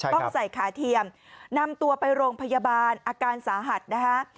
ต้องใส่ขาเทียมนำตัวไปโรงพยาบาลอาการสาหัสนะคะ